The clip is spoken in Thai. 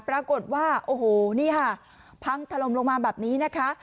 ปรากฏว่าโอ้โหนี่ค่ะพังถล่มลงมาแบบนี้นะคะ